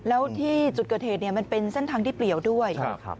แล้วที่จุดเกิดเหตุเนี่ยมันเป็นเส้นทางที่เปลี่ยวด้วย